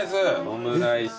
オムライス。